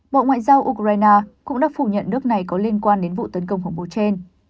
bộ ngoại giao ukraine cũng đã phủ nhận nước này có liên quan đến vụ tấn công khủng bố trên